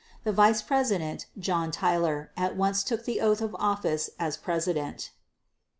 The vice president, John Tyler, at once took the oath of office as president.